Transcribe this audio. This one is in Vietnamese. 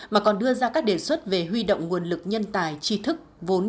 mà còn đưa ra các đề xuất về huy động nguồn lực nhân tài tri thức vốn công nghệ